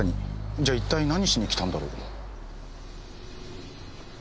じゃあ一体何しに来たんだろう？